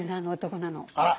あら！